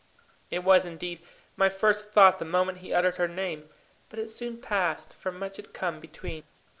It was, indeed, my first thought the moment he uttered her name, but it soon passed, for much had come between.